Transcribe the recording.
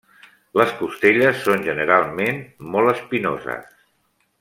Les costelles són generalment molt espinoses.